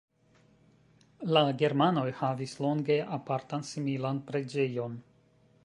La germanoj havis longe apartan similan preĝejon.